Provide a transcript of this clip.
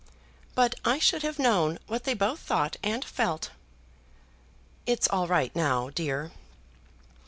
But I should have known what they both thought and felt." "It's all right now, dear."